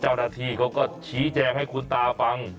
เจ้าหน้าที่เขาก็ชี้แจงให้คุณตาฟัง